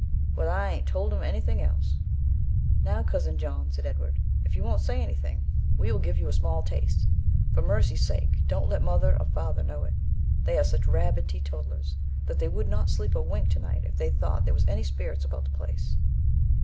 'Well, I ain't told em anything else.' 'Now, cousin John,' said Edward, 'if you wont say anything, we will give you a small taste. For mercy's sake don't let father or mother know it; they are such rabid teetotallers, that they would not sleep a wink to night if they thought there was any spirits about the place.'